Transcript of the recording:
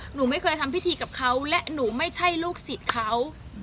หนูไม่เคยทำพิธีกับเขาและหนูไม่ใช่ลูกศิษย์เขา